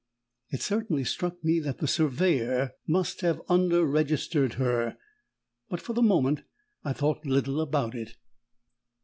It certainly struck me that the surveyor must have under registered her, but for the moment I thought little about it.